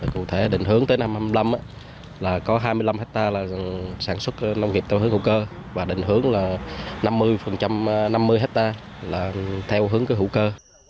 cụ thể định hướng tới năm hai nghìn hai mươi năm là có hai mươi năm hectare sản xuất nông nghiệp theo hướng hữu cơ và định hướng là năm mươi hectare theo hướng hữu cơ